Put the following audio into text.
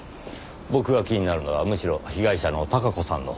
僕が気になるのはむしろ被害者の孝子さんのほうです。